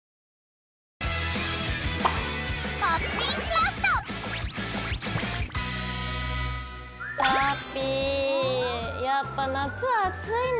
ラッピィやっぱ夏は暑いね！